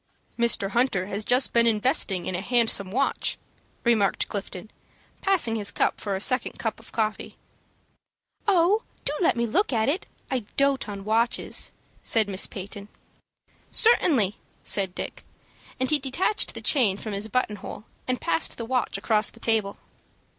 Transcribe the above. "Mr. Hunter has just been investing in a handsome watch," remarked Clifton, passing his cup for a second cup of coffee. "Oh, do let me look at it! I dote on watches," said Miss Peyton. "Certainly," said Dick; and he detached the chain from his button hole, and passed the watch across the table.